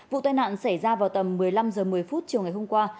vụ tai nạn xảy ra vào tầm một mươi năm h một mươi chiều ngày hôm qua